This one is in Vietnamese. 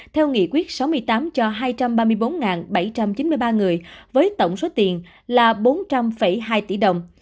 theo nghị quyết sáu mươi tám cho hai trăm ba mươi bốn bảy trăm chín mươi ba người với tổng số tiền là bốn trăm linh hai tỷ đồng